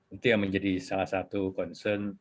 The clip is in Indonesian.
itu yang menjadi salah satu concern